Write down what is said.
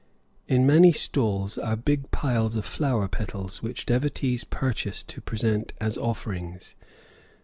In many stalls are big piles of flower petals which devotees purchase to present as offerings.